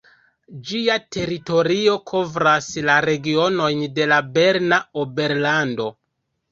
Ĝia teritorio kovras la regionojn de la Berna Oberlando.